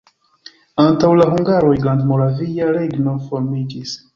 Antaŭ la hungaroj Grandmoravia regno formiĝis.